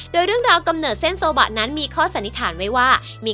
อ๋อต้องมีไม้มันทัดด้วย